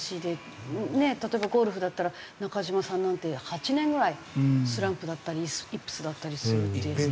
例えばゴルフだったら中嶋さんなんて８年ぐらいスランプだったりイップスだったりするっていう。